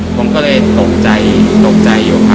ผมก็เลยตกใจอยู่ครับ